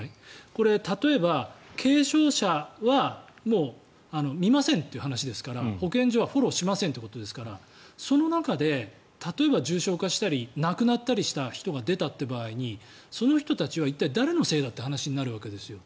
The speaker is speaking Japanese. これ、例えば軽症者はもう見ませんという話ですから保健所はフォローしませんということですからその中で、例えば重症化したり亡くなったりした人が出たという場合にその人たちは一体誰のせいだって話になるわけですよ。